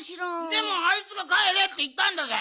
でもあいつが「かえれ」っていったんだぜ？